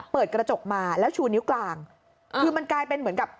เปิดกระจกมาแล้วชูนิ้วกลางคือมันกลายเป็นเหมือนกับ